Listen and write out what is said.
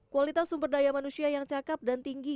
kualitas sumber daya manusia yang cakep dan tinggi